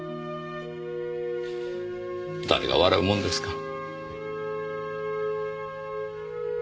誰が笑うもんですか。